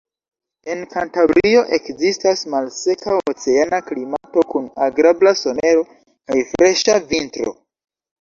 En Kantabrio ekzistas malseka oceana klimato kun agrabla somero kaj freŝa vintro.